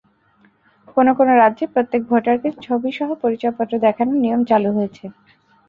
কোনো কোনো রাজ্যে প্রত্যেক ভোটারকে ছবিসহ পরিচয়পত্র দেখানোর নিয়ম চালু হয়েছে।